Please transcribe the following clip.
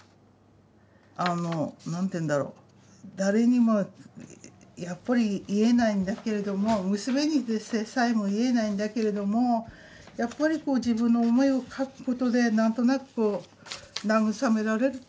あの何て言うんだろう誰にもやっぱり言えないんだけれども娘にでさえも言えないんだけれどもやっぱり自分の思いを書くことで何となくこう慰められるっていうのはありましたね。